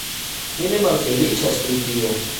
Mi ne malfeliĉas pri tio.